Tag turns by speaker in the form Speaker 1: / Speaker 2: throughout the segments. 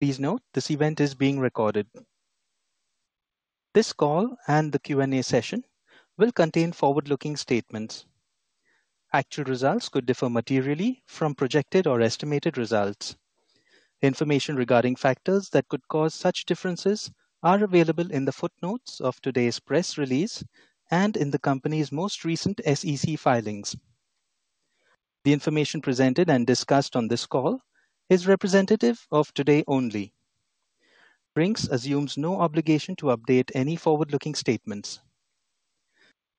Speaker 1: Please note this event is being recorded. This call and the Q&A session will contain forward-looking statements. Actual results could differ materially from projected or estimated results. Information regarding factors that could cause such differences is available in the footnotes of today's press release and in the company's most recent SEC filings. The information presented and discussed on this call is representative of today only. Brink's assumes no obligation to update any forward-looking statements.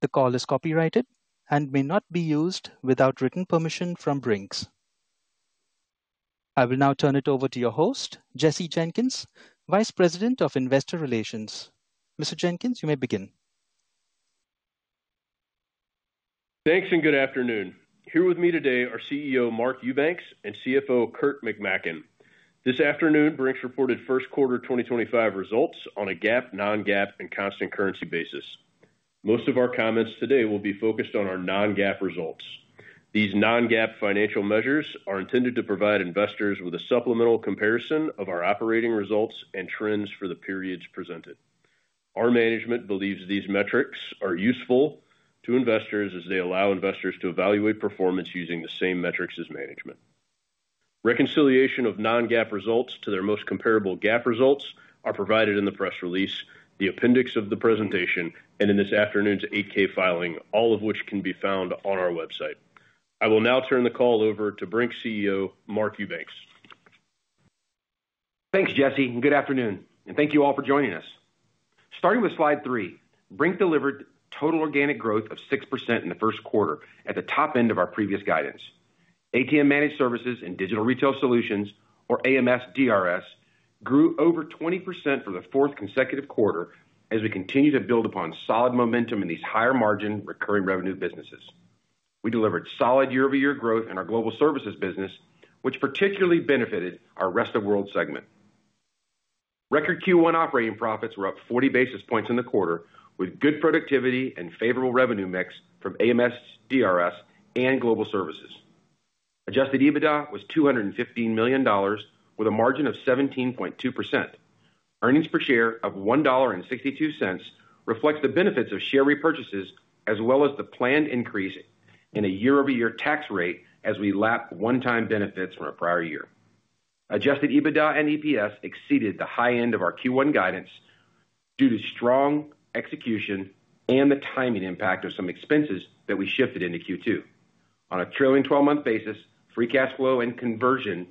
Speaker 1: The call is copyrighted and may not be used without written permission from Brink's. I will now turn it over to your host, Jesse Jenkins, Vice President of Investor Relations. Mr. Jenkins, you may begin.
Speaker 2: Thanks and good afternoon. Here with me today are CEO Mark Eubanks and CFO Kurt McMaken. This afternoon, Brink's reported first quarter 2025 results on a GAAP, non-GAAP, and constant currency basis. Most of our comments today will be focused on our non-GAAP results. These non-GAAP financial measures are intended to provide investors with a supplemental comparison of our operating results and trends for the periods presented. Our management believes these metrics are useful to investors as they allow investors to evaluate performance using the same metrics as management. Reconciliation of non-GAAP results to their most comparable GAAP results is provided in the press release, the appendix of the presentation, and in this afternoon's 8-K filing, all of which can be found on our website. I will now turn the call over to Brink's CEO, Mark Eubanks.
Speaker 3: Thanks, Jesse, and good afternoon. Thank you all for joining us. Starting with slide three, Brink's delivered total organic growth of 6% in the first quarter at the top end of our previous guidance. ATM Managed Services and Digital Retail Solutions, or AMS DRS, grew over 20% for the fourth consecutive quarter as we continue to build upon solid momentum in these higher margin recurring revenue businesses. We delivered solid year-over-year growth in our Global Services business, which particularly benefited our Rest of World segment. Record Q1 operating profits were up 40 basis points in the quarter, with good productivity and favorable revenue mix from AMS DRS and Global Services. Adjusted EBITDA was $215 million, with a margin of 17.2%. Earnings per share of $1.62 reflects the benefits of share repurchases, as well as the planned increase in a year-over-year tax rate as we lap one-time benefits from a prior year. Adjusted EBITDA and EPS exceeded the high end of our Q1 guidance due to strong execution and the timing impact of some expenses that we shifted into Q2. On a trailing 12-month basis, free cash flow and conversion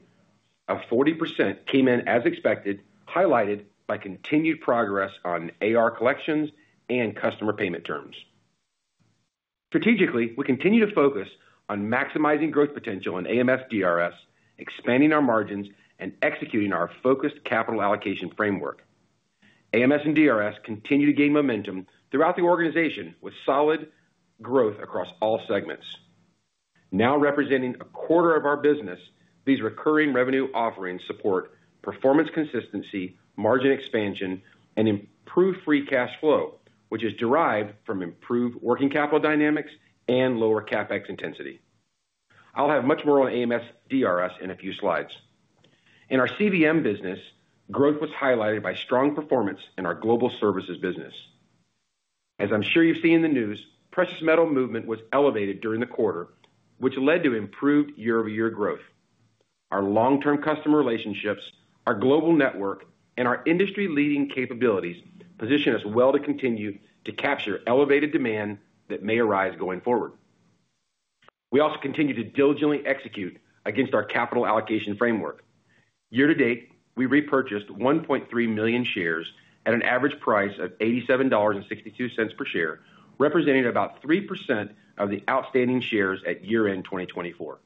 Speaker 3: of 40% came in as expected, highlighted by continued progress on AR collections and customer payment terms. Strategically, we continue to focus on maximizing growth potential in AMS DRS, expanding our margins, and executing our focused capital allocation framework. AMS and DRS continue to gain momentum throughout the organization with solid growth across all segments. Now representing a quarter of our business, these recurring revenue offerings support performance consistency, margin expansion, and improved free cash flow, which is derived from improved working capital dynamics and lower CapEx intensity. I'll have much more on AMS DRS in a few slides. In our CVM business, growth was highlighted by strong performance in our Global Services business. As I'm sure you've seen in the news, precious metal movement was elevated during the quarter, which led to improved year-over-year growth. Our long-term customer relationships, our global network, and our industry-leading capabilities position us well to continue to capture elevated demand that may arise going forward. We also continue to diligently execute against our capital allocation framework. Year to date, we repurchased 1.3 million shares at an average price of $87.62 per share, representing about 3% of the outstanding shares at year-end 2024.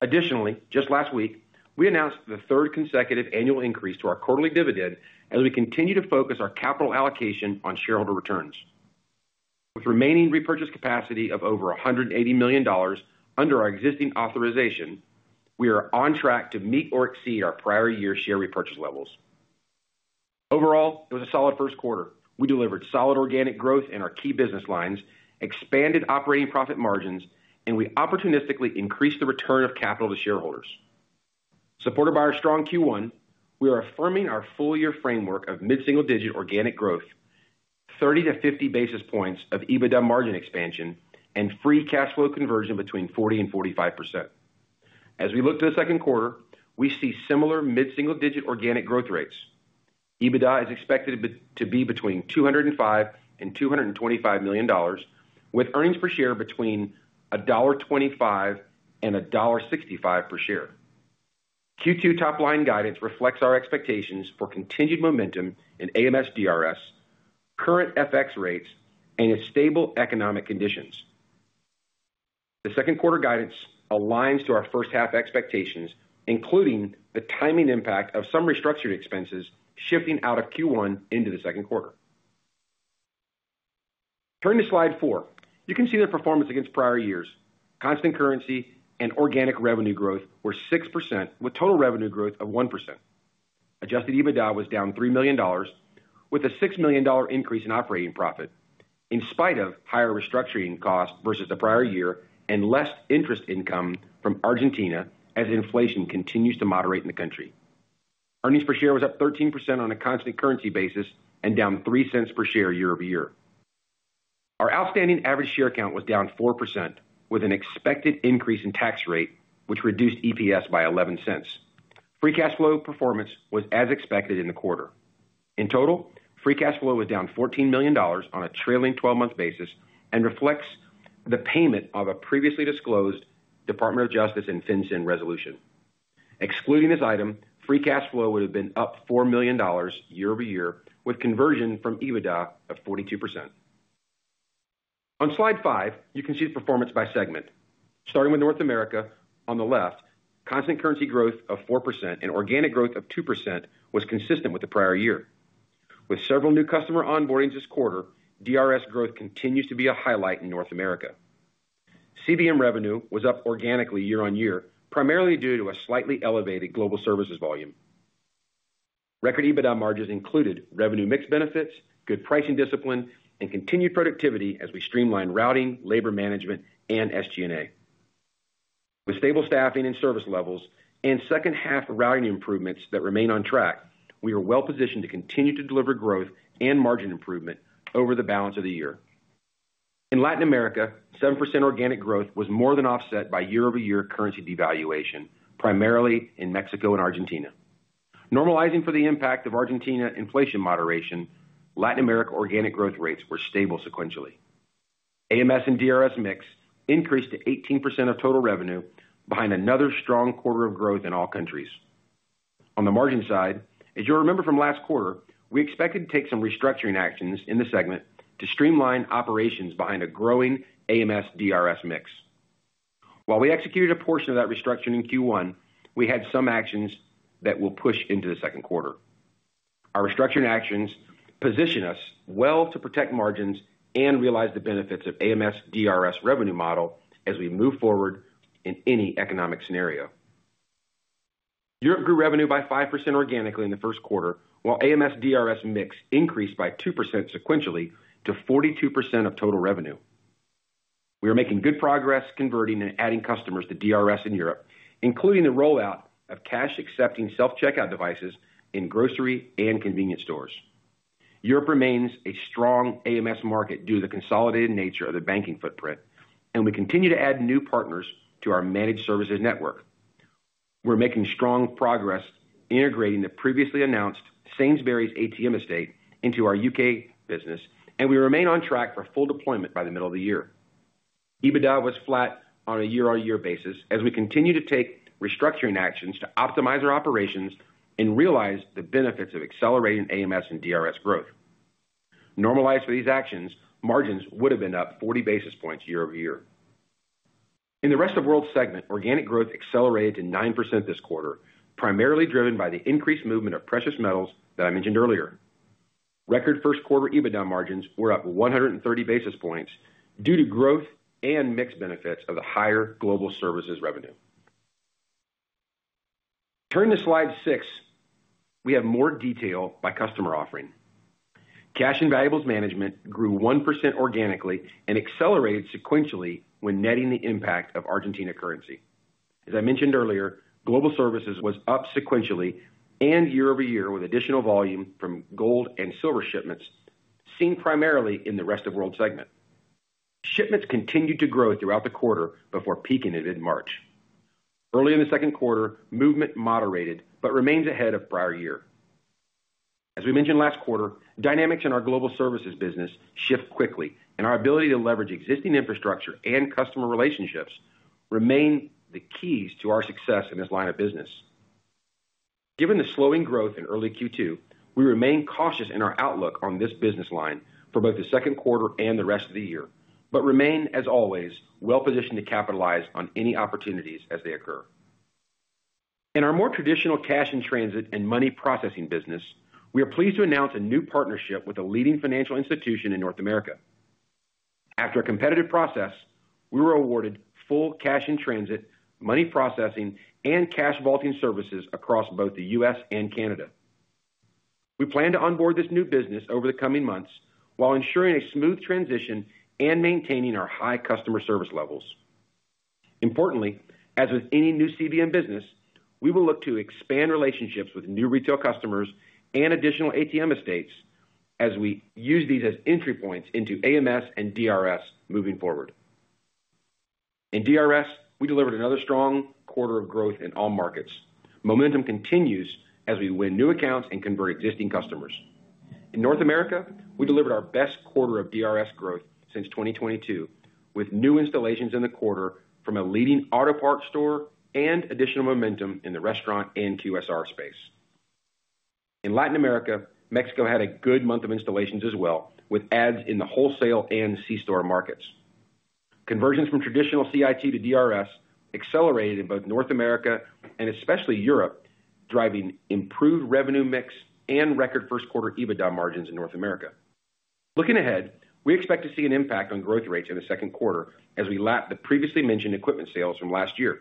Speaker 3: Additionally, just last week, we announced the third consecutive annual increase to our quarterly dividend as we continue to focus our capital allocation on shareholder returns. With remaining repurchase capacity of over $180 million under our existing authorization, we are on track to meet or exceed our prior year share repurchase levels. Overall, it was a solid first quarter. We delivered solid organic growth in our key business lines, expanded operating profit margins, and we opportunistically increased the return of capital to shareholders. Supported by our strong Q1, we are affirming our full-year framework of mid-single-digit organic growth, 30-50 basis points of EBITDA margin expansion, and free cash flow conversion between 40% and 45%. As we look to the second quarter, we see similar mid-single-digit organic growth rates. EBITDA is expected to be between $205 million and $225 million, with earnings per share between $1.25 and $1.65 per share. Q2 top-line guidance reflects our expectations for continued momentum in AMS DRS, current FX rates, and stable economic conditions. The second quarter guidance aligns to our first-half expectations, including the timing impact of some restructured expenses shifting out of Q1 into the second quarter. Turning to slide four, you can see the performance against prior years. Constant currency and organic revenue growth were 6%, with total revenue growth of 1%. Adjusted EBITDA was down $3 million, with a $6 million increase in operating profit, in spite of higher restructuring costs versus the prior year and less interest income from Argentina as inflation continues to moderate in the country. Earnings per share was up 13% on a constant currency basis and down $0.03 per share year-over-year. Our outstanding average share count was down 4%, with an expected increase in tax rate, which reduced EPS by $0.11. Free cash flow performance was as expected in the quarter. In total, free cash flow was down $14 million on a trailing 12-month basis and reflects the payment of a previously disclosed Department of Justice and FinCEN resolution. Excluding this item, free cash flow would have been up $4 million year-over-year, with conversion from EBITDA of 42%. On slide five, you can see the performance by segment. Starting with North America, on the left, constant currency growth of 4% and organic growth of 2% was consistent with the prior year. With several new customer onboardings this quarter, DRS growth continues to be a highlight in North America. CVM revenue was up organically year-on-year, primarily due to a slightly elevated Global Services volume. Record EBITDA margins included revenue mix benefits, good pricing discipline, and continued productivity as we streamlined routing, labor management, and SG&A. With stable staffing and service levels and second-half routing improvements that remain on track, we are well-positioned to continue to deliver growth and margin improvement over the balance of the year. In Latin America, 7% organic growth was more than offset by year-over-year currency devaluation, primarily in Mexico and Argentina. Normalizing for the impact of Argentina inflation moderation, Latin America organic growth rates were stable sequentially. AMS and DRS mix increased to 18% of total revenue, behind another strong quarter of growth in all countries. On the margin side, as you'll remember from last quarter, we expected to take some restructuring actions in the segment to streamline operations behind a growing AMS DRS mix. While we executed a portion of that restructuring in Q1, we had some actions that will push into the second quarter. Our restructuring actions position us well to protect margins and realize the benefits of AMS DRS revenue model as we move forward in any economic scenario. Europe grew revenue by 5% organically in the first quarter, while AMS DRS mix increased by 2% sequentially to 42% of total revenue. We are making good progress converting and adding customers to DRS in Europe, including the rollout of cash-accepting self-checkout devices in grocery and convenience stores. Europe remains a strong AMS market due to the consolidated nature of the banking footprint, and we continue to add new partners to our managed services network. We are making strong progress integrating the previously announced Sainsbury's ATM estate into our U.K. business, and we remain on track for full deployment by the middle of the year. EBITDA was flat on a year-on-year basis as we continue to take restructuring actions to optimize our operations and realize the benefits of accelerating AMS and DRS growth. Normalized for these actions, margins would have been up 40 basis points year-over-year. In the rest of world segment, organic growth accelerated to 9% this quarter, primarily driven by the increased movement of precious metals that I mentioned earlier. Record first quarter EBITDA margins were up 130 basis points due to growth and mixed benefits of the higher Global Services revenue. Turning to slide six, we have more detail by customer offering. Cash and Valuables Management grew 1% organically and accelerated sequentially when netting the impact of Argentina currency. As I mentioned earlier, Global Services was up sequentially and year-over-year with additional volume from gold and silver shipments, seen primarily in the rest of world segment. Shipments continued to grow throughout the quarter before peaking in mid-March. Early in the second quarter, movement moderated but remains ahead of prior year. As we mentioned last quarter, dynamics in our Global Services business shift quickly, and our ability to leverage existing infrastructure and customer relationships remain the keys to our success in this line of business. Given the slowing growth in early Q2, we remain cautious in our outlook on this business line for both the second quarter and the rest of the year, but remain, as always, well-positioned to capitalize on any opportunities as they occur. In our more traditional cash-in-transit and Money Processing business, we are pleased to announce a new partnership with a leading financial institution in North America. After a competitive process, we were awarded full cash-in-transit, Money Processing, and cash vaulting services across both the U.S. and Canada. We plan to onboard this new business over the coming months while ensuring a smooth transition and maintaining our high customer service levels. Importantly, as with any new CVM business, we will look to expand relationships with new retail customers and additional ATM estates as we use these as entry points into AMS and DRS moving forward. In DRS, we delivered another strong quarter of growth in all markets. Momentum continues as we win new accounts and convert existing customers. In North America, we delivered our best quarter of DRS growth since 2022, with new installations in the quarter from a leading auto parts store and additional momentum in the restaurant and QSR space. In Latin America, Mexico had a good month of installations as well, with adds in the wholesale and C-store markets. Conversions from traditional CIT to DRS accelerated in both North America and especially Europe, driving improved revenue mix and record first quarter EBITDA margins in North America. Looking ahead, we expect to see an impact on growth rates in the second quarter as we lap the previously mentioned equipment sales from last year.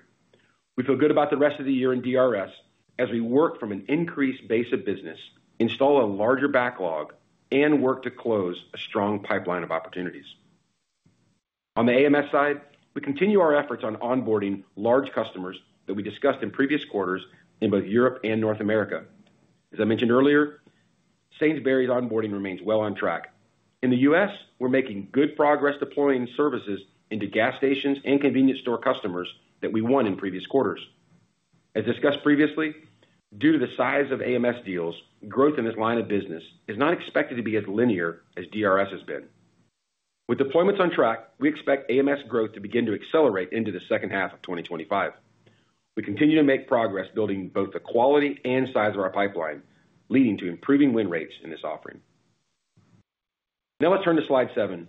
Speaker 3: We feel good about the rest of the year in DRS as we work from an increased base of business, install a larger backlog, and work to close a strong pipeline of opportunities. On the AMS side, we continue our efforts on onboarding large customers that we discussed in previous quarters in both Europe and North America. As I mentioned earlier, Sainsbury's onboarding remains well on track. In the U.S., we're making good progress deploying services into gas stations and convenience store customers that we won in previous quarters. As discussed previously, due to the size of AMS deals, growth in this line of business is not expected to be as linear as DRS has been. With deployments on track, we expect AMS growth to begin to accelerate into the second half of 2025. We continue to make progress building both the quality and size of our pipeline, leading to improving win rates in this offering. Now let's turn to slide seven.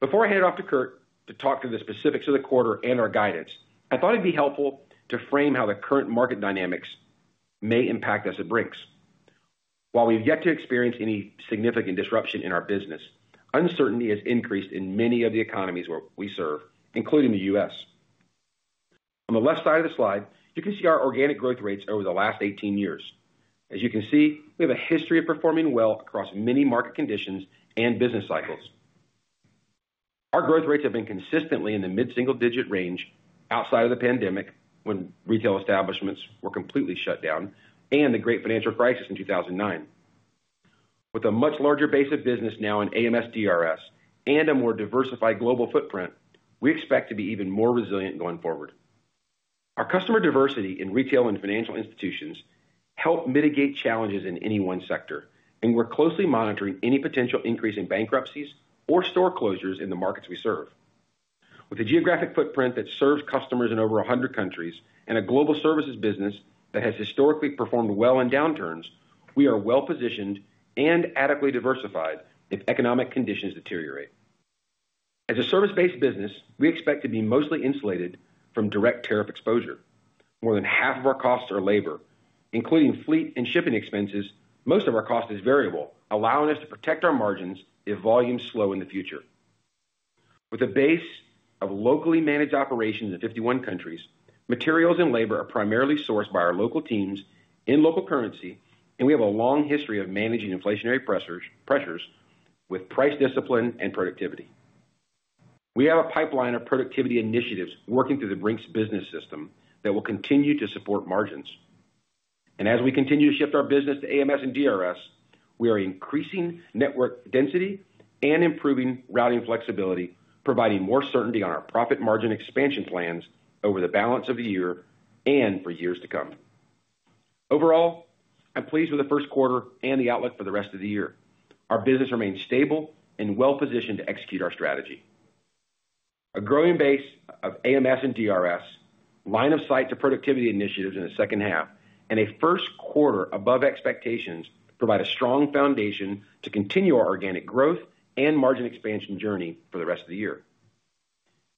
Speaker 3: Before I hand it off to Kurt to talk to the specifics of the quarter and our guidance, I thought it'd be helpful to frame how the current market dynamics may impact us at Brink's. While we've yet to experience any significant disruption in our business, uncertainty has increased in many of the economies where we serve, including the U.S. On the left side of the slide, you can see our organic growth rates over the last 18 years. As you can see, we have a history of performing well across many market conditions and business cycles. Our growth rates have been consistently in the mid-single-digit range outside of the pandemic when retail establishments were completely shut down and the great financial crisis in 2009. With a much larger base of business now in AMS DRS and a more diversified global footprint, we expect to be even more resilient going forward. Our customer diversity in retail and financial institutions helps mitigate challenges in any one sector, and we're closely monitoring any potential increase in bankruptcies or store closures in the markets we serve. With a geographic footprint that serves customers in over 100 countries and a Global Services business that has historically performed well in downturns, we are well-positioned and adequately diversified if economic conditions deteriorate. As a service-based business, we expect to be mostly insulated from direct tariff exposure. More than half of our costs are labor. Including fleet and shipping expenses, most of our cost is variable, allowing us to protect our margins if volumes slow in the future. With a base of locally managed operations in 51 countries, materials and labor are primarily sourced by our local teams in local currency, and we have a long history of managing inflationary pressures with price discipline and productivity. We have a pipeline of productivity initiatives working through the Brink's business system that will continue to support margins. As we continue to shift our business to AMS and DRS, we are increasing network density and improving routing flexibility, providing more certainty on our profit margin expansion plans over the balance of the year and for years to come. Overall, I'm pleased with the first quarter and the outlook for the rest of the year. Our business remains stable and well-positioned to execute our strategy. A growing base of AMS and DRS, line of sight to productivity initiatives in the second half, and a first quarter above expectations provide a strong foundation to continue our organic growth and margin expansion journey for the rest of the year.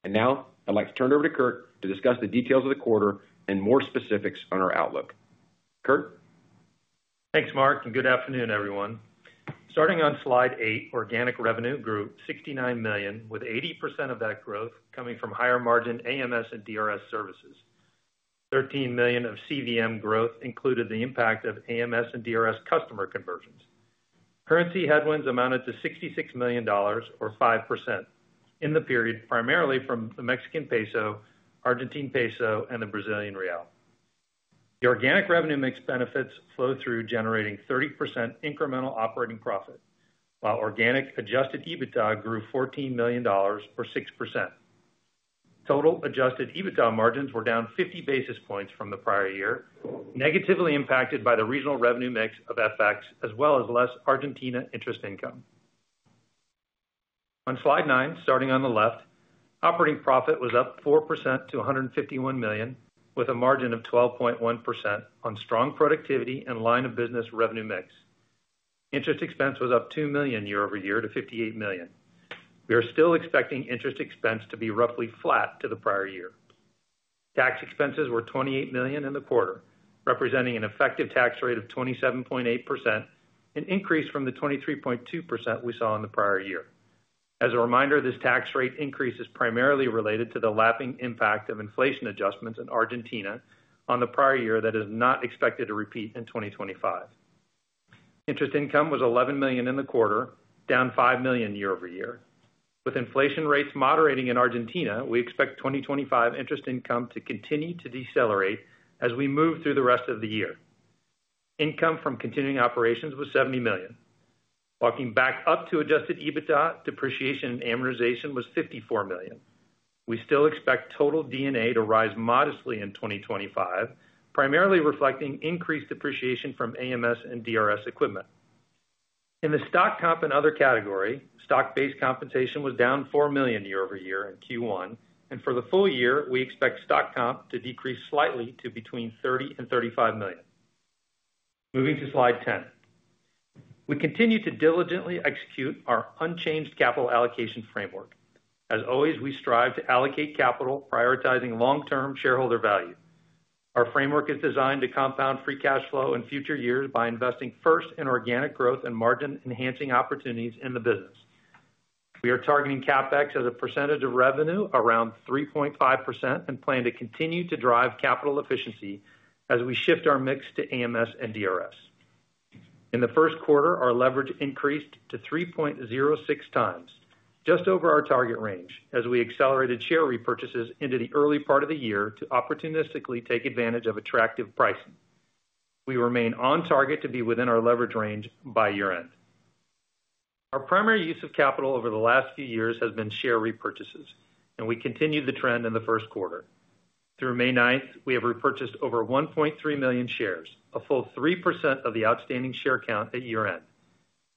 Speaker 3: Now I'd like to turn it over to Kurt to discuss the details of the quarter and more specifics on our outlook. Kurt?
Speaker 4: Thanks, Mark, and good afternoon, everyone. Starting on slide eight, organic revenue grew $69 million, with 80% of that growth coming from higher margin AMS and DRS services. $13 million of CVM growth included the impact of AMS and DRS customer conversions. Currency headwinds amounted to $66 million, or 5%, in the period primarily from the Mexican peso, Argentine peso, and the Brazilian real. The organic revenue mix benefits flowed through, generating 30% incremental operating profit, while organic adjusted EBITDA grew $14 million, or 6%. Total adjusted EBITDA margins were down 50 basis points from the prior year, negatively impacted by the regional revenue mix of FX, as well as less Argentina interest income. On slide nine, starting on the left, operating profit was up 4% to $151 million, with a margin of 12.1% on strong productivity and line of business revenue mix. Interest expense was up $2 million year-over-year to $58 million. We are still expecting interest expense to be roughly flat to the prior year. Tax expenses were $28 million in the quarter, representing an effective tax rate of 27.8%, an increase from the 23.2% we saw in the prior year. As a reminder, this tax rate increase is primarily related to the lapping impact of inflation adjustments in Argentina on the prior year that is not expected to repeat in 2025. Interest income was $11 million in the quarter, down $5 million year-over-year. With inflation rates moderating in Argentina, we expect 2025 interest income to continue to decelerate as we move through the rest of the year. Income from continuing operations was $70 million. Walking back up to adjusted EBITDA, depreciation and amortization was $54 million. We still expect total D&A to rise modestly in 2025, primarily reflecting increased depreciation from AMS and DRS equipment. In the stock comp and other category, stock-based compensation was down $4 million year-over-year in Q1, and for the full year, we expect stock comp to decrease slightly to between $30 million and $35 million. Moving to slide 10, we continue to diligently execute our unchanged capital allocation framework. As always, we strive to allocate capital, prioritizing long-term shareholder value. Our framework is designed to compound free cash flow in future years by investing first in organic growth and margin-enhancing opportunities in the business. We are targeting CapEx as a percentage of revenue around 3.5% and plan to continue to drive capital efficiency as we shift our mix to AMS and DRS. In the first quarter, our leverage increased to 3.06 times, just over our target range, as we accelerated share repurchases into the early part of the year to opportunistically take advantage of attractive pricing. We remain on target to be within our leverage range by year-end. Our primary use of capital over the last few years has been share repurchases, and we continued the trend in the first quarter. Through May 9, we have repurchased over 1.3 million shares, a full 3% of the outstanding share count at year-end.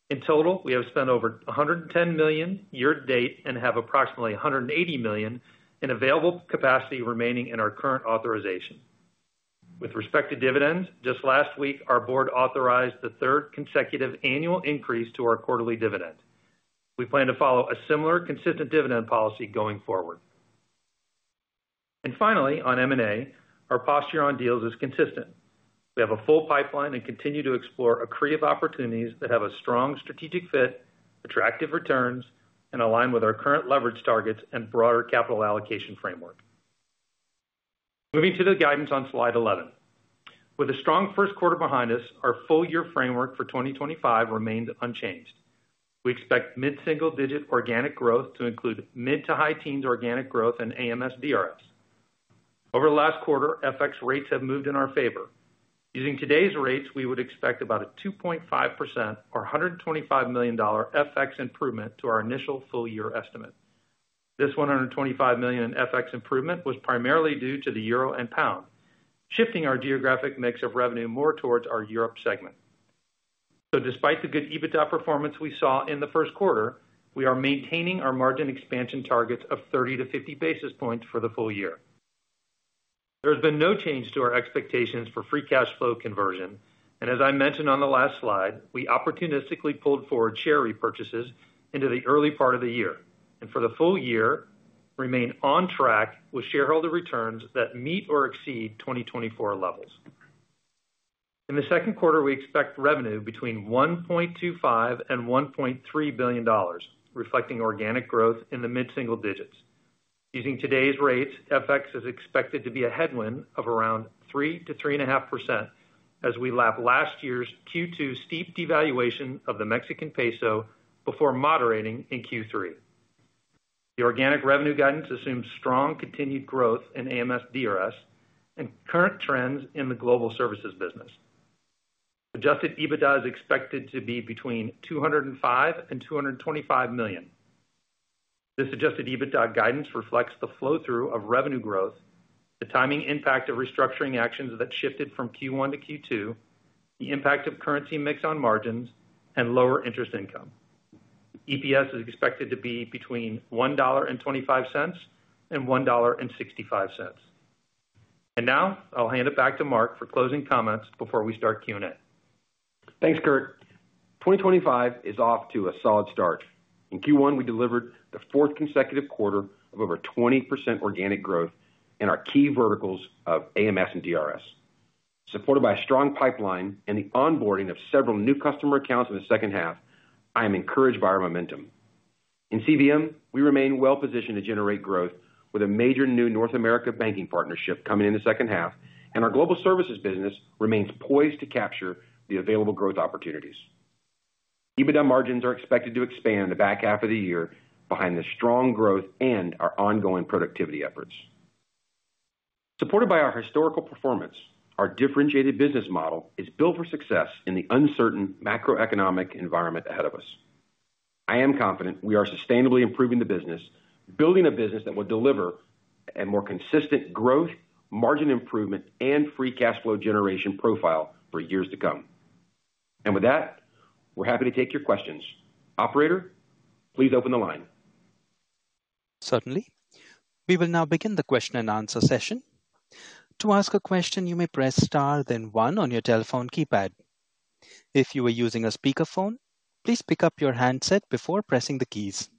Speaker 4: In total, we have spent over $110 million year-to-date and have approximately $180 million in available capacity remaining in our current authorization. With respect to dividends, just last week, our board authorized the third consecutive annual increase to our quarterly dividend. We plan to follow a similar consistent dividend policy going forward. Finally, on M&A, our posture on deals is consistent. We have a full pipeline and continue to explore accretive opportunities that have a strong strategic fit, attractive returns, and align with our current leverage targets and broader capital allocation framework. Moving to the guidance on slide 11. With a strong first quarter behind us, our full-year framework for 2025 remains unchanged. We expect mid-single-digit organic growth to include mid-to-high teens organic growth in AMS DRS. Over the last quarter, FX rates have moved in our favor. Using today's rates, we would expect about a 2.5% or $125 million FX improvement to our initial full-year estimate. This $125 million in FX improvement was primarily due to the euro and pound, shifting our geographic mix of revenue more towards our Europe segment. Despite the good EBITDA performance we saw in the first quarter, we are maintaining our margin expansion targets of 30 to 50 basis points for the full year. There has been no change to our expectations for free cash flow conversion, and as I mentioned on the last slide, we opportunistically pulled forward share repurchases into the early part of the year. For the full year, we remain on track with shareholder returns that meet or exceed 2024 levels. In the second quarter, we expect revenue between $1.25 billion and $1.3 billion, reflecting organic growth in the mid-single digits. Using today's rates, FX is expected to be a headwind of around 3%-3.5% as we lap last year's Q2 steep devaluation of the Mexican peso before moderating in Q3. The organic revenue guidance assumes strong continued growth in AMS, DRS, and current trends in the Global Services business. Adjusted EBITDA is expected to be between $205 million and $225 million. This adjusted EBITDA guidance reflects the flow-through of revenue growth, the timing impact of restructuring actions that shifted from Q1 to Q2, the impact of currency mix on margins, and lower interest income. EPS is expected to be between $1.25 and $1.65. I will hand it back to Mark for closing comments before we start Q&A.
Speaker 3: Thanks, Kurt. 2025 is off to a solid start. In Q1, we delivered the fourth consecutive quarter of over 20% organic growth in our key verticals of AMS and DRS. Supported by a strong pipeline and the onboarding of several new customer accounts in the second half, I am encouraged by our momentum. In CVM, we remain well-positioned to generate growth with a major new North America banking partnership coming in the second half, and our Global Services business remains poised to capture the available growth opportunities. EBITDA margins are expected to expand in the back half of the year behind the strong growth and our ongoing productivity efforts. Supported by our historical performance, our differentiated business model is built for success in the uncertain macroeconomic environment ahead of us. I am confident we are sustainably improving the business, building a business that will deliver a more consistent growth, margin improvement, and free cash flow generation profile for years to come. With that, we're happy to take your questions. Operator, please open the line.
Speaker 1: Certainly. We will now begin the Q&A session. To ask a question, you may press Star, then 1 on your telephone keypad. If you are using a speakerphone, please pick up your handset before pressing the keys.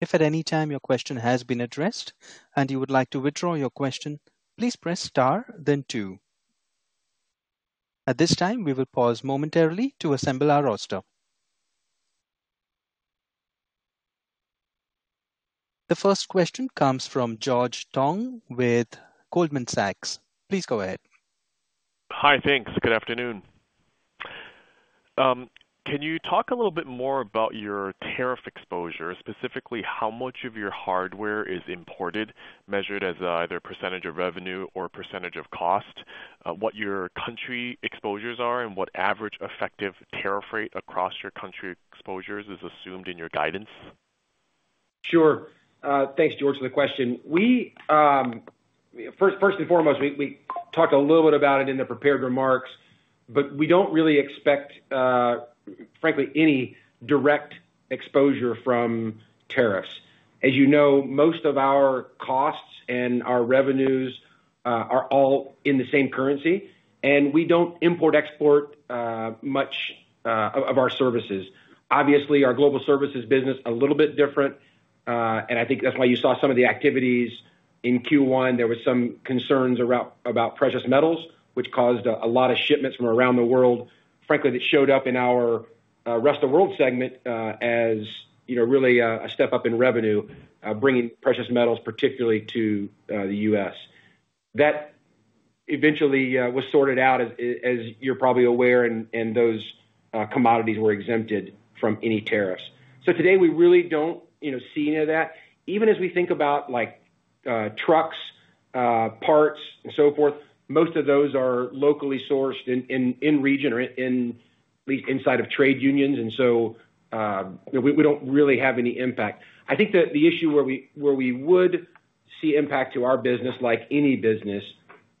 Speaker 1: If at any time your question has been addressed and you would like to withdraw your question, please press Star, then 2. At this time, we will pause momentarily to assemble our roster. The first question comes from George Tong with Goldman Sachs. Please go ahead.
Speaker 5: Hi, thanks. Good afternoon. Can you talk a little bit more about your tariff exposure, specifically how much of your hardware is imported, measured as either a percentage of revenue or a percentage of cost, what your country exposures are, and what average effective tariff rate across your country exposures is assumed in your guidance?
Speaker 3: Sure. Thanks, George, for the question. First and foremost, we talked a little bit about it in the prepared remarks, but we do not really expect, frankly, any direct exposure from tariffs. As you know, most of our costs and our revenues are all in the same currency, and we do not import-export much of our services. Obviously, our Global Services business is a little bit different, and I think that's why you saw some of the activities in Q1. There were some concerns about precious metals, which caused a lot of shipments from around the world. Frankly, that showed up in our Rest of World segment as really a step up in revenue, bringing precious metals, particularly to the U.S. That eventually was sorted out, as you're probably aware, and those commodities were exempted from any tariffs. Today, we really don't see any of that. Even as we think about trucks, parts, and so forth, most of those are locally sourced in region or at least inside of trade unions, and we don't really have any impact. I think that the issue where we would see impact to our business, like any business,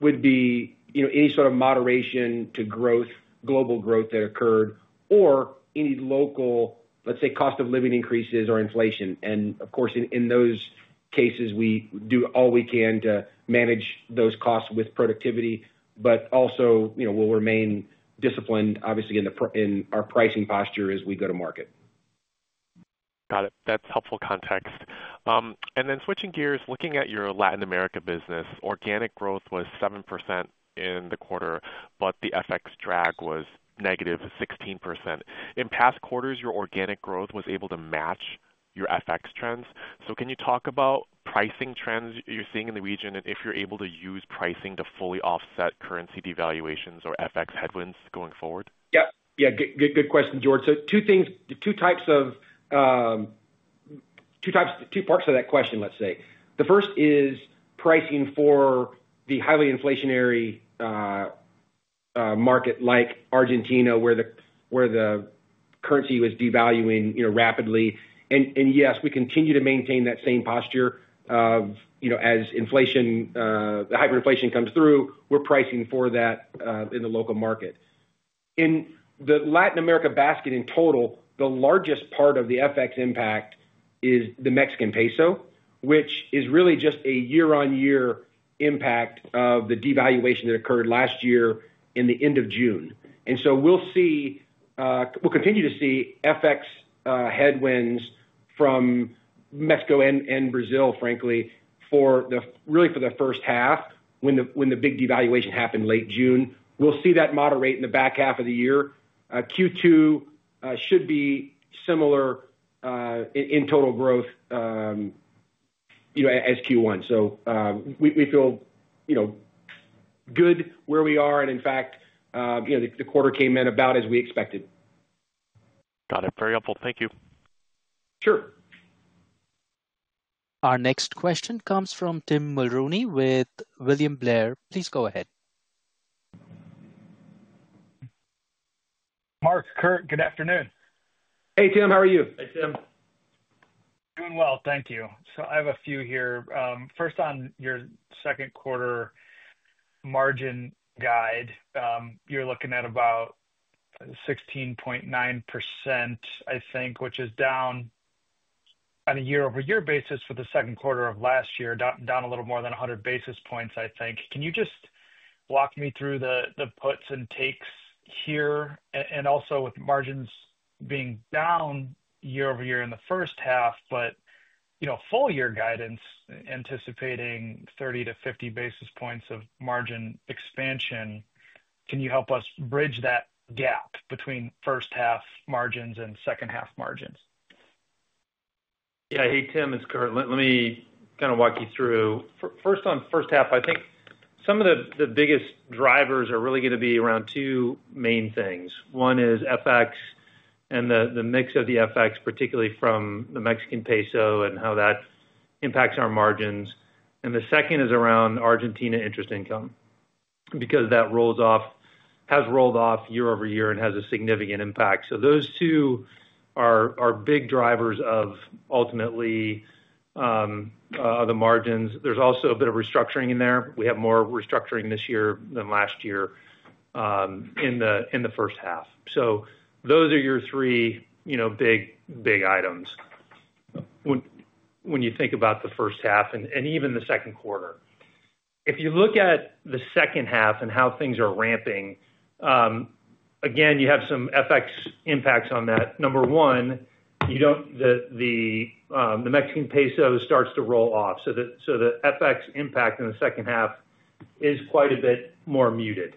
Speaker 3: would be any sort of moderation to growth, global growth that occurred, or any local, let's say, cost of living increases or inflation. Of course, in those cases, we do all we can to manage those costs with productivity, but also we'll remain disciplined, obviously, in our pricing posture as we go to market.
Speaker 5: Got it. That's helpful context. Switching gears, looking at your Latin America business, organic growth was 7% in the quarter, but the FX drag was negative 16%. In past quarters, your organic growth was able to match your FX trends. Can you talk about pricing trends you're seeing in the region and if you're able to use pricing to fully offset currency devaluations or FX headwinds going forward?
Speaker 3: Yep. Yeah. Good question, George. Two things, two parts of that question, let's say. The first is pricing for the highly inflationary market like Argentina, where the currency was devaluing rapidly. Yes, we continue to maintain that same posture of as inflation, the hyperinflation comes through, we're pricing for that in the local market. In the Latin America basket in total, the largest part of the FX impact is the Mexican peso, which is really just a year-on-year impact of the devaluation that occurred last year at the end of June. We will continue to see FX headwinds from Mexico and Brazil, frankly, really for the first half when the big devaluation happened late June. We will see that moderate in the back half of the year. Q2 should be similar in total growth as Q1. So we feel good where we are, and in fact, the quarter came in about as we expected.
Speaker 5: Got it. Very helpful. Thank you.
Speaker 3: Sure.
Speaker 1: Our next question comes from Tim Mulrooney with William Blair. Please go ahead.
Speaker 6: Mark, Kurt, good afternoon.
Speaker 3: Hey, Tim. How are you?
Speaker 4: Hey, Tim.
Speaker 6: Doing well. Thank you. I have a few here. First, on your second quarter margin guide, you're looking at about 16.9%, I think, which is down on a year-over-year basis for the second quarter of last year, down a little more than 100 basis points, I think. Can you just walk me through the puts and takes here? Also, with margins being down year-over-year in the first half, but full-year guidance anticipating 30-50 basis points of margin expansion, can you help us bridge that gap between first-half margins and second-half margins?
Speaker 4: Yeah. Hey, Tim, it's Kurt. Let me kind of walk you through. First on first half, I think some of the biggest drivers are really going to be around two main things. One is FX and the mix of the FX, particularly from the Mexican peso and how that impacts our margins. The second is around Argentina interest income because that has rolled off year-over-year and has a significant impact. Those two are big drivers of ultimately the margins. There is also a bit of restructuring in there. We have more restructuring this year than last year in the first half. Those are your three big items when you think about the first half and even the second quarter. If you look at the second half and how things are ramping, again, you have some FX impacts on that. Number one, the Mexican peso starts to roll off. The FX impact in the second half is quite a bit more muted.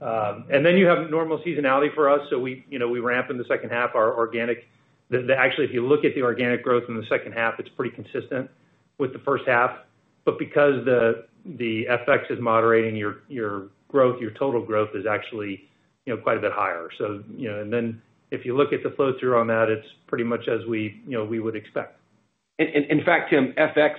Speaker 4: You have normal seasonality for us. We ramp in the second half our organic. Actually, if you look at the organic growth in the second half, it is pretty consistent with the first half. Because the FX is moderating your growth, your total growth is actually quite a bit higher. If you look at the flow-through on that, it is pretty much as we would expect.
Speaker 3: In fact, Tim, FX,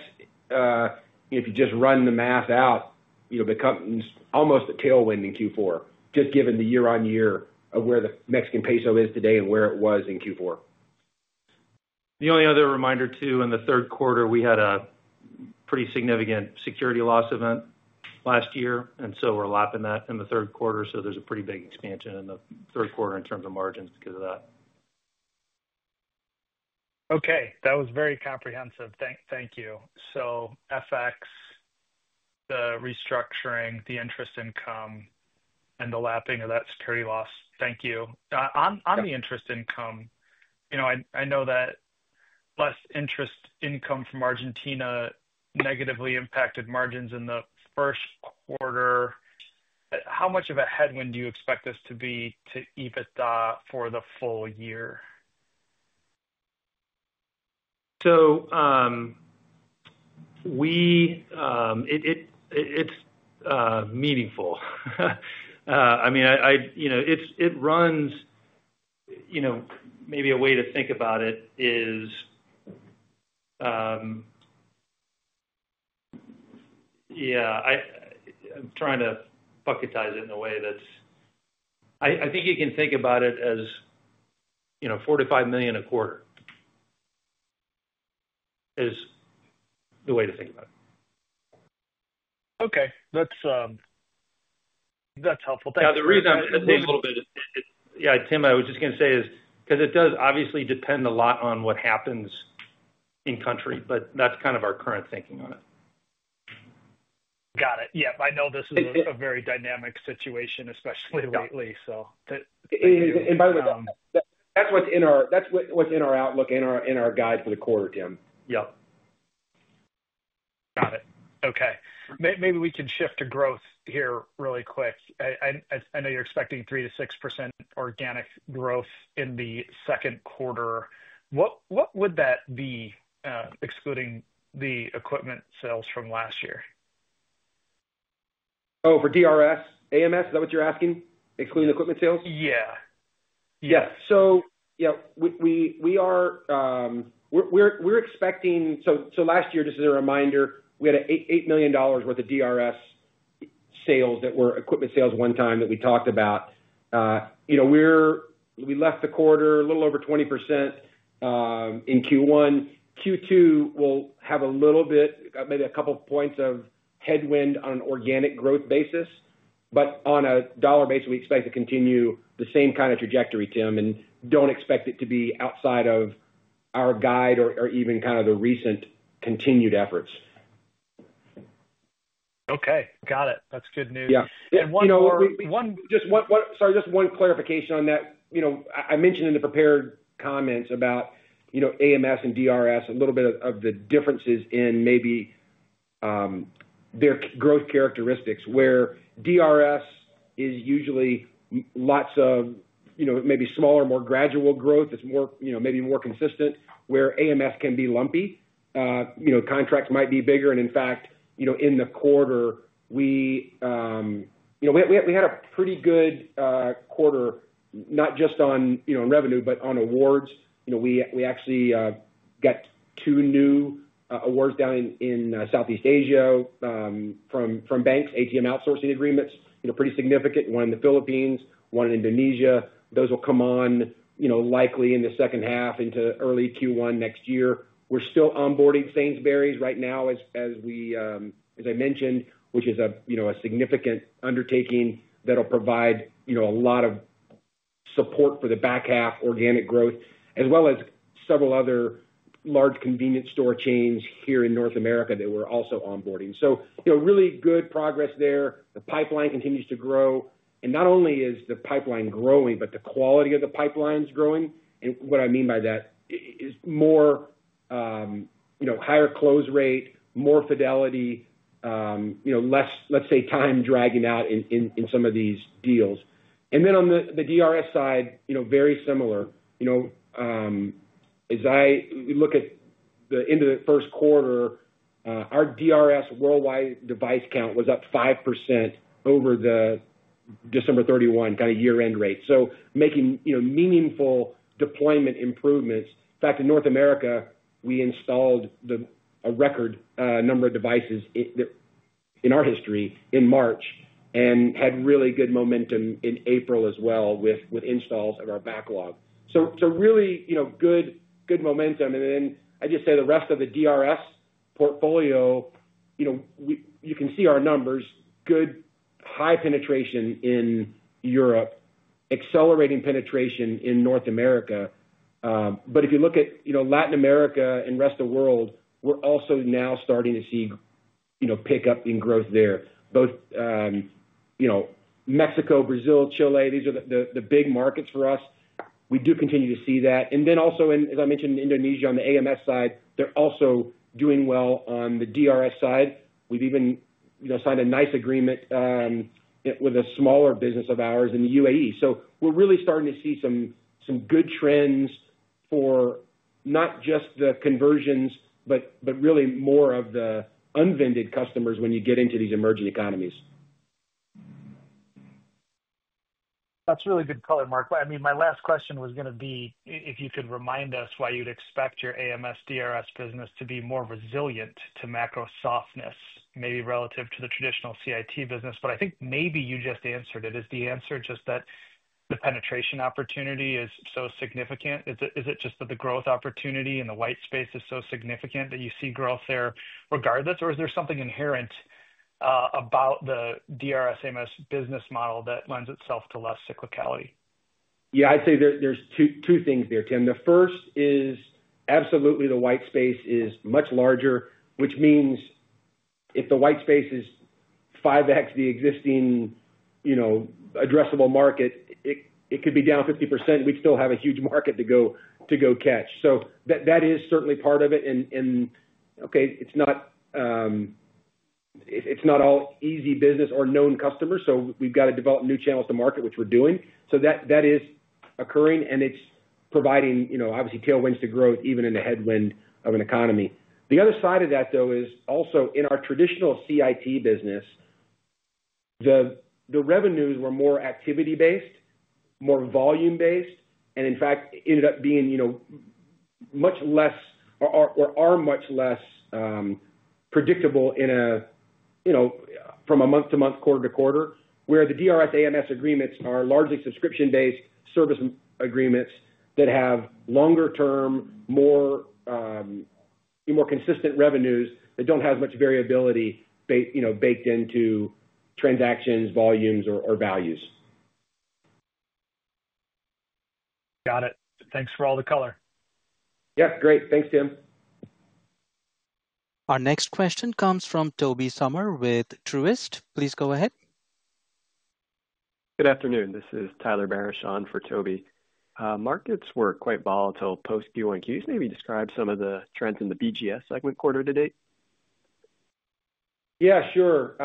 Speaker 3: if you just run the math out, becomes almost a tailwind in Q4, just given the year-on-year of where the Mexican peso is today and where it was in Q4.
Speaker 4: The only other reminder too, in the third quarter, we had a pretty significant security loss event last year, and we are lapping that in the third quarter. There is a pretty big expansion in the third quarter in terms of margins because of that.
Speaker 6: Okay. That was very comprehensive. Thank you. FX, the restructuring, the interest income, and the lapping of that security loss. Thank you. On the interest income, I know that less interest income from Argentina negatively impacted margins in the first quarter. How much of a headwind do you expect this to be to EBITDA for the full year?
Speaker 4: It is meaningful. I mean, it runs, maybe a way to think about it is, yeah, I am trying to bucketize it in a way that is, I think you can think about it as $4 million-$5 million a quarter is the way to think about it.
Speaker 6: Okay. That is helpful. Thank you.
Speaker 4: Now, the reason I'm a little bit, yeah, Tim, I was just going to say, is because it does obviously depend a lot on what happens in country, but that's kind of our current thinking on it.
Speaker 6: Got it. Yep. I know this is a very dynamic situation, especially lately.
Speaker 3: By the way, that's what's in our outlook, in our guide for the quarter, Tim.
Speaker 4: Yep.
Speaker 6: Got it. Okay. Maybe we can shift to growth here really quick. I know you're expecting 3%-6% organic growth in the second quarter. What would that be, excluding the equipment sales from last year?
Speaker 3: Oh, for DRS? AMS, is that what you're asking? Excluding the equipment sales?
Speaker 6: Yeah.
Speaker 3: Yes. So, yeah, we're expecting, so last year, just as a reminder, we had $8 million worth of DRS sales that were equipment sales, one time, that we talked about. We left the quarter a little over 20% in Q1. Q2, we'll have a little bit, maybe a couple of points of headwind on an organic growth basis. On a dollar basis, we expect to continue the same kind of trajectory, Tim, and do not expect it to be outside of our guide or even the recent continued efforts.
Speaker 6: Okay. Got it. That's good news.
Speaker 3: One more, sorry, just one clarification on that. I mentioned in the prepared comments about AMS and DRS, a little bit of the differences in maybe their growth characteristics, where DRS is usually lots of maybe smaller, more gradual growth. It is maybe more consistent, where AMS can be lumpy. Contracts might be bigger. In fact, in the quarter, we had a pretty good quarter, not just on revenue, but on awards. We actually got two new awards down in Southeast Asia from banks, ATM outsourcing agreements, pretty significant, one in the Philippines, one in Indonesia. Those will come on likely in the second half into early Q1 next year. We're still onboarding Sainsbury's right now, as I mentioned, which is a significant undertaking that'll provide a lot of support for the back half organic growth, as well as several other large convenience store chains here in North America that we're also onboarding. Really good progress there. The pipeline continues to grow. Not only is the pipeline growing, but the quality of the pipeline is growing. What I mean by that is more higher close rate, more fidelity, less, let's say, time dragging out in some of these deals. Then on the DRS side, very similar. As I look at the end of the first quarter, our DRS worldwide device count was up 5% over the December 31 kind of year-end rate. Making meaningful deployment improvements. In fact, in North America, we installed a record number of devices in our history in March and had really good momentum in April as well with installs of our backlog. Really good momentum. I just say the rest of the DRS portfolio, you can see our numbers, good high penetration in Europe, accelerating penetration in North America. If you look at Latin America and the rest of the world, we're also now starting to see pickup in growth there. Both Mexico, Brazil, Chile, these are the big markets for us. We do continue to see that. As I mentioned, Indonesia on the AMS side, they are also doing well on the DRS side. We have even signed a nice agreement with a smaller business of ours in the United Arab Emirates. We are really starting to see some good trends for not just the conversions, but really more of the unvended customers when you get into these emerging economies.
Speaker 6: That is really good color, Mark. I mean, my last question was going to be if you could remind us why you would expect your AMS DRS business to be more resilient to macro softness, maybe relative to the traditional CIT business. I think maybe you just answered it. Is the answer just that the penetration opportunity is so significant? Is it just that the growth opportunity in the white space is so significant that you see growth there regardless? Is there something inherent about the DRS AMS business model that lends itself to less cyclicality?
Speaker 3: Yeah. I'd say there's two things there, Tim. The first is absolutely the white space is much larger, which means if the white space is 5x the existing addressable market, it could be down 50%. We'd still have a huge market to go catch. That is certainly part of it. Okay, it's not all easy business or known customers. We've got to develop new channels to market, which we're doing. That is occurring, and it's providing, obviously, tailwinds to growth, even in the headwind of an economy. The other side of that, though, is also in our traditional CIT business, the revenues were more activity-based, more volume-based, and in fact, ended up being much less or are much less predictable from a month-to-month, quarter-to-quarter, where the DRS AMS agreements are largely subscription-based service agreements that have longer-term, more consistent revenues that do not have as much variability baked into transactions, volumes, or values.
Speaker 6: Got it. Thanks for all the color.
Speaker 3: Yep. Great. Thanks, Tim.
Speaker 1: Our next question comes from Tobey Summer with Truist. Please go ahead. Good afternoon.
Speaker 7: This is Tyler Barishaw for Tobey. Markets were quite volatile post Q1. Can you just maybe describe some of the trends in the BGS segment quarter to date?
Speaker 3: Yeah, sure.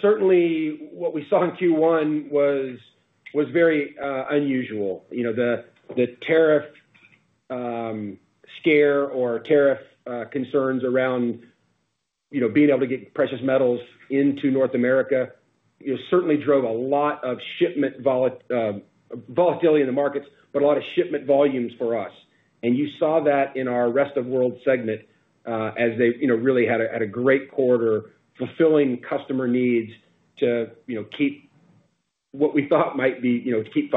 Speaker 3: Certainly, what we saw in Q1 was very unusual. The tariff scare or tariff concerns around being able to get precious metals into North America certainly drove a lot of shipment volatility in the markets, but a lot of shipment volumes for us. You saw that in our Rest of World segment as they really had a great quarter fulfilling customer needs to keep what we thought might be to keep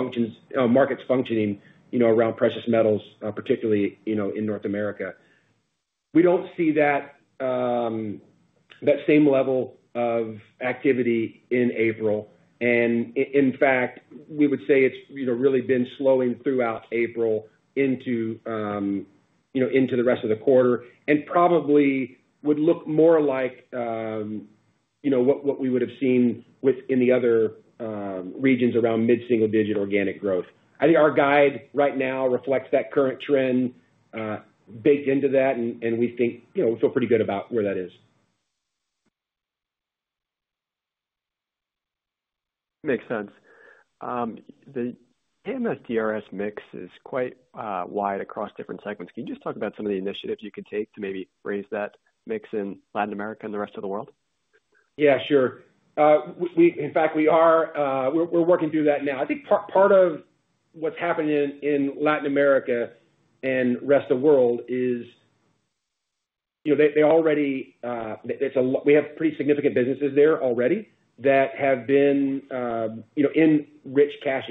Speaker 3: markets functioning around precious metals, particularly in North America. We do not see that same level of activity in April. In fact, we would say it has really been slowing throughout April into the rest of the quarter and probably would look more like what we would have seen within the other regions around mid-single-digit organic growth. I think our guide right now reflects that current trend baked into that, and we feel pretty good about where that is.
Speaker 7: Makes sense. The AMS DRS mix is quite wide across different segments. Can you just talk about some of the initiatives you could take to maybe raise that mix in Latin America and the rest of the world?
Speaker 3: Yeah, sure. In fact, we're working through that now. I think part of what's happening in Latin America and the rest of the world is we already have pretty significant businesses there already that have been in rich cash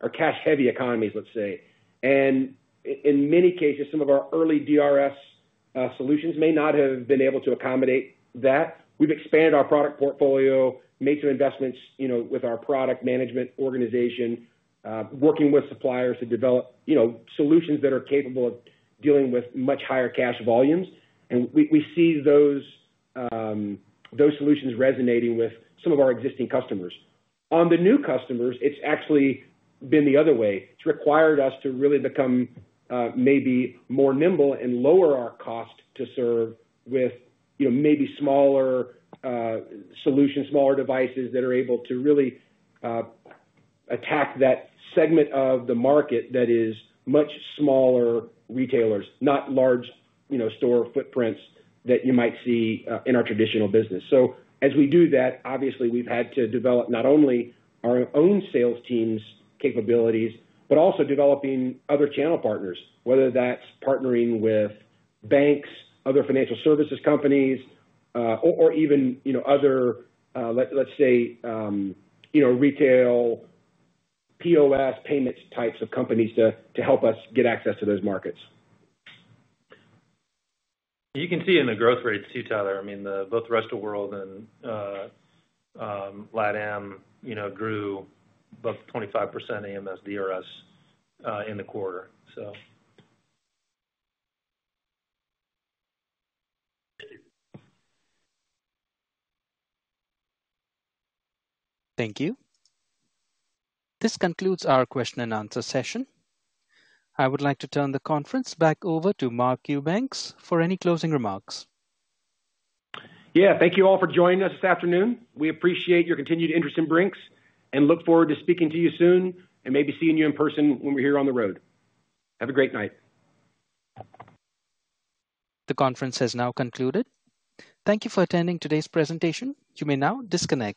Speaker 3: or cash-heavy economies, let's say. And in many cases, some of our early DRS solutions may not have been able to accommodate that. We've expanded our product portfolio, made some investments with our product management organization, working with suppliers to develop solutions that are capable of dealing with much higher cash volumes. And we see those solutions resonating with some of our existing customers. On the new customers, it's actually been the other way. It's required us to really become maybe more nimble and lower our cost to serve with maybe smaller solutions, smaller devices that are able to really attack that segment of the market that is much smaller retailers, not large store footprints that you might see in our traditional business. As we do that, obviously, we've had to develop not only our own sales team's capabilities, but also developing other channel partners, whether that's partnering with banks, other financial services companies, or even other, let's say, retail POS payments types of companies to help us get access to those markets.
Speaker 4: You can see in the growth rates too, Tyler. I mean, both the rest of the world and LatAm grew about 25% AMS DRS in the quarter.
Speaker 1: Thank you. This concludes our question and answer session. I would like to turn the conference back over to Mark Eubanks for any closing remarks.
Speaker 3: Thank you all for joining us this afternoon. We appreciate your continued interest in Brink's and look forward to speaking to you soon and maybe seeing you in person when we are here on the road. Have a great night.
Speaker 1: The conference has now concluded. Thank you for attending today's presentation. You may now disconnect.